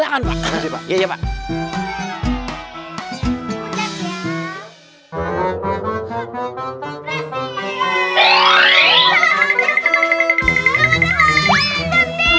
kau menang kalian penting